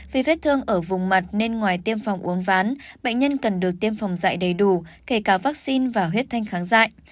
vì vết thương ở vùng mặt nên ngoài tiêm phòng uốn ván bệnh nhân cần được tiêm phòng dạy đầy đủ kể cả vaccine và huyết thanh kháng dại